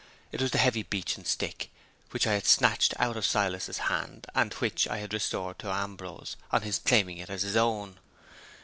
It was the heavy beechen stick which I had snatched out of Silas's hand, and which I had restored to Ambrose on his claiming it as his own.